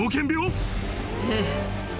ええ。